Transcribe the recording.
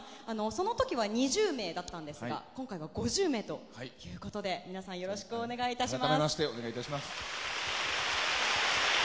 その時は２０名だったんですが今回は５０名ということで皆さんよろしくお願いします。